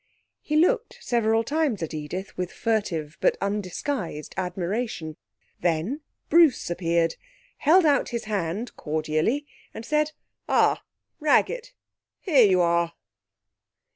He looked several times at Edith with a furtive but undisguised admiration. Then Bruce appeared, held out his hand cordially, and said, 'Ah, Raggett, here you are!'